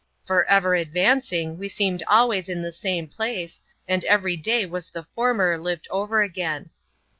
For ever advancing, we seemed always in the same place, and every day was the former lived over again.